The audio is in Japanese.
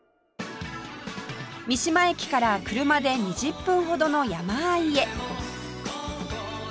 三島駅から車で２０分ほどの山あいへ